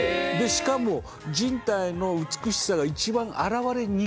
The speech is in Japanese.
しかも人体の美しさが一番表れにくいポーズなんですよ。